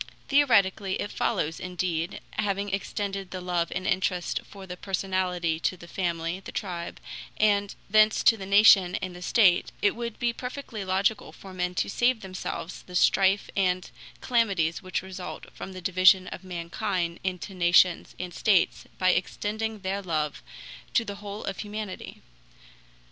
Theoretically it follows, indeed, having extended the love and interest for the personality to the family, the tribe, and thence to the nation and the state, it would be perfectly logical for men to save themselves the strife and calamities which result from the division of mankind into nations and states by extending their love to the whole of humanity.